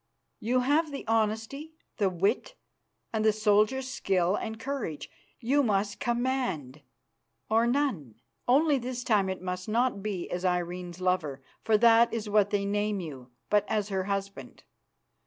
You have the honesty, the wit and the soldier's skill and courage. You must command, or none. Only this time it must not be as Irene's lover, for that is what they name you, but as her husband.